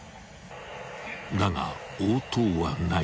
［だが応答はない。